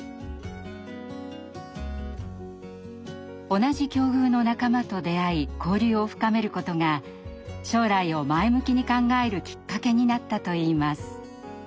同じ境遇の仲間と出会い交流を深めることが将来を前向きに考えるきっかけになったといいます。